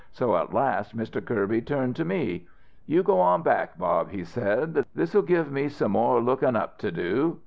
So at last Mr. Kirby turned to me. 'You go on back, Bob,' he said. 'This'll give me some more lookin' up to do.